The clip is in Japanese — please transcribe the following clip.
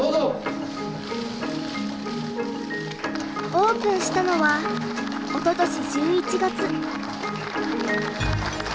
オープンしたのはおととし１１月。